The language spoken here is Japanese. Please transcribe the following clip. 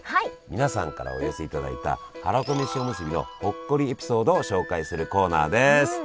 皆さんからお寄せいただいたはらこめしおむすびのほっこりエピソードを紹介するコーナーです。